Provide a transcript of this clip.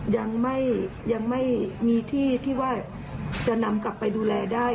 ยังไม่มีที่ที่ว่าจะนำกลับไปดูแลได้